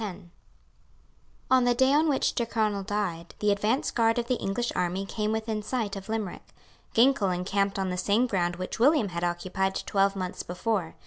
On the day on which Tyrconnel died, the advanced guard of the English army came within sight of Limerick. Ginkell encamped on the same ground which William had occupied twelve months before.